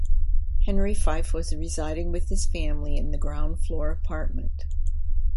Henry Fife was residing with his family in the ground floor apartment.